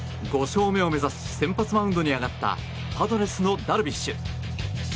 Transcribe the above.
５勝目を目指し先発マウンドへ上がったパドレスのダルビッシュ。